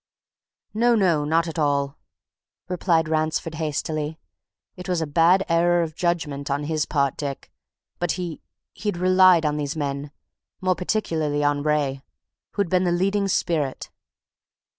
"No, no! not at all!" replied Ransford hastily. "It was a bad error of judgment on his part, Dick, but he he'd relied on these men, more particularly on Wraye, who'd been the leading spirit.